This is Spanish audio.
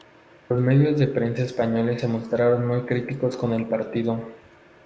Los medios de prensa españoles se mostraron muy críticos con el partido.